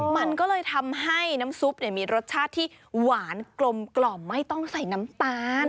มันก็เลยทำให้น้ำซุปมีรสชาติที่หวานกลมไม่ต้องใส่น้ำตาล